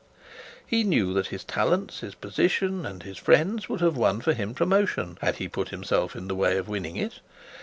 He knew that his talents, his position, and his friends would have won for him promotion, had he put himself in the way of winning it.